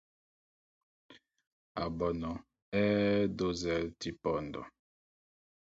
Aɓɔnɔ ɛ́ ɛ́ do zɛ́l tí pɔndɔ.